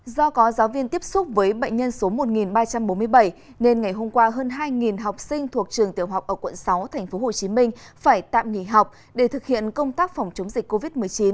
do có giáo viên tiếp xúc với bệnh nhân số một ba trăm bốn mươi bảy nên ngày hôm qua hơn hai học sinh thuộc trường tiểu học ở quận sáu tp hcm phải tạm nghỉ học để thực hiện công tác phòng chống dịch covid một mươi chín